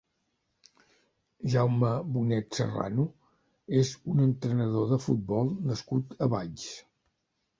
Jaume Bonet Serrano és un entrenador de futbol nascut a Valls.